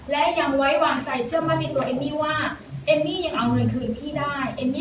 และเอมมี่ต้องขอบคุณพี่